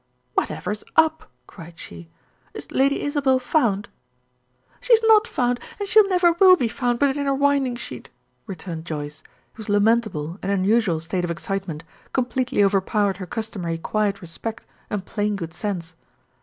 "Whatever's up?" cried she. "Is Lady Isabel found?" "She is not found, and she never will be found but in her winding sheet," returned Joyce, whose lamentable and unusual state of excitement completely overpowered her customary quiet respect and plain good sense.